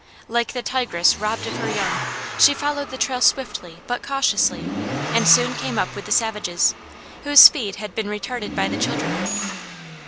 Like the tigress robbed of her young, she followed the trail swiftly but cautiously and soon came up with the savages, whose speed had been retarded by the children.